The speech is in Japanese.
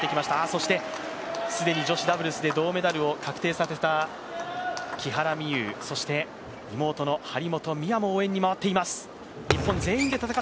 そして既に女子ダブルスでメダルを確定させたそして妹の張本美和も応援に回っています。